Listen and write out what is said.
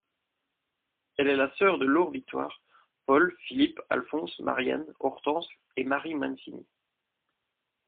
Elle est la sœur de Laure-Victoire, Paul, Philippe, Alphonse, Marie-Anne, Hortense, et Marie Mancini.